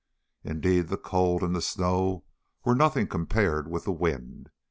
Indeed the cold and the snow were nothing compared with the wind.